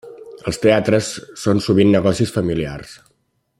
Els teatres són sovint negocis familiars.